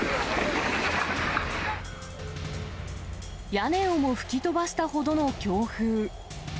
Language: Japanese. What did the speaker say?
屋根をも吹き飛ばしたほどの強風。